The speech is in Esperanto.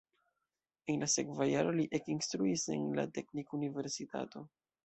En la sekva jaro li ekinstruis en la Teknikuniversitato.